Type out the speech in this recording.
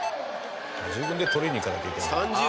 自分で取りに行かなきゃいけない。